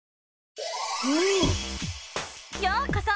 ようこそ！